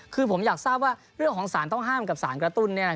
คือผมอยากทราบว่าเรื่องของสารต้องห้ามกับสารกระตุ้น